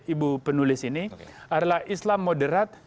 ibu penulis ini adalah islam moderat